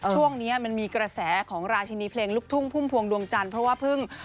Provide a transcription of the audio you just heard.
ช่วงนี้มันมีกระแสของราชินีเพลงลูกทุ่งพุ่มพวงดวงจันทร์เพราะว่าเพิ่ง